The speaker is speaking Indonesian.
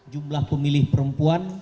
jumlah pemilih perempuan